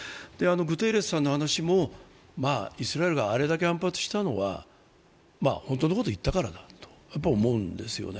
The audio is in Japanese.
グテーレスさんの話も、イスラエルがあれだけ反発したのは、本当のことを言ったからだと思うんですよね。